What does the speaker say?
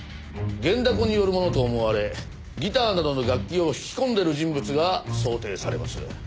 弦ダコによるものと思われギターなどの楽器を弾き込んでいる人物が想定されます。